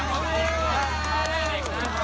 ขอบคุณค่ะ